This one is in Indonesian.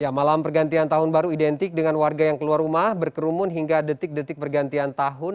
ya malam pergantian tahun baru identik dengan warga yang keluar rumah berkerumun hingga detik detik pergantian tahun